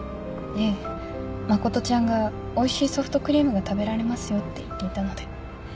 ええ真ちゃんがおいしいソフトクリームが食べられますよって言っていたので。